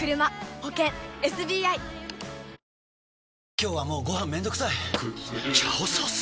今日はもうご飯めんどくさい「炒ソース」！？